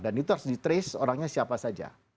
dan itu harus di trace orangnya siapa saja